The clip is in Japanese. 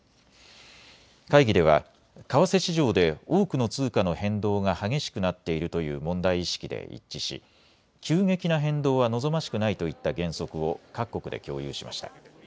会議では為替市場で多くの通貨の変動が激しくなっているという問題意識で一致し急激な変動は望ましくないといった原則を各国で共有しました。